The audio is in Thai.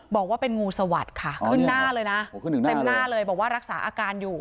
บอกว่าเป็นงูสวัสค์ค่ะขึ้นหน้าเลยนะรักษาอาการอยู่